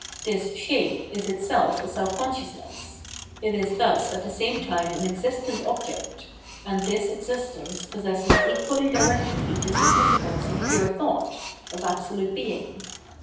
This shape is itself a self consciousness ; it is thus at the same time an existent object ; and this existence possesses equally directly the significance of pure thought, of Absolute Being.